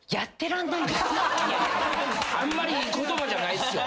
あんまりいい言葉じゃないっすよ。